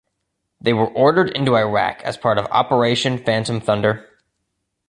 They were ordered into Iraq as part of Operation Phantom Thunder.